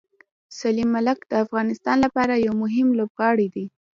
سلیم ملک د افغانستان لپاره یو مهم لوبغاړی دی.